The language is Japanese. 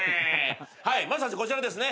まず最初こちらですね。